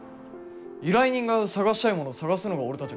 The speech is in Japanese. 依頼人が探したいものを探すのが俺たちの仕事ですよね。